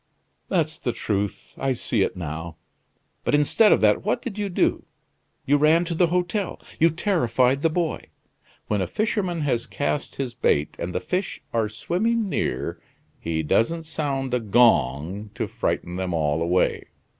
'" "That's the truth; I see it now." "But instead of that, what did you do? You ran to the hotel, you terrified the boy! When a fisherman has cast his bait and the fish are swimming near, he doesn't sound a gong to frighten them all away!"